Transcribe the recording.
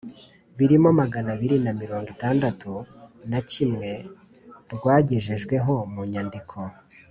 birimo magana abiri na mirongo itandatu na kimwe rwagejejweho mu nyandiko